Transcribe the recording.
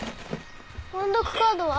音読カードは？